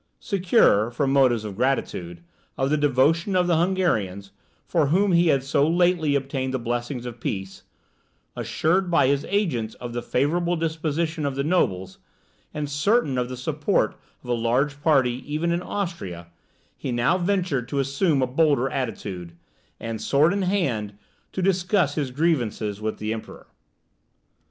Secure, from motives of gratitude, of the devotion of the Hungarians, for whom he had so lately obtained the blessings of peace; assured by his agents of the favourable disposition of the nobles, and certain of the support of a large party, even in Austria, he now ventured to assume a bolder attitude, and, sword in hand, to discuss his grievances with the Emperor.